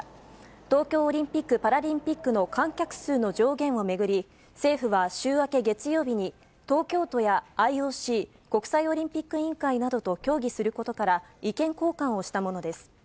東京オリンピック・パラリンピックの観客数の上限を巡り、政府は週明け月曜日に、東京都やＩＯＣ・国際オリンピック委員会などと協議することから、意見交換をしたものです。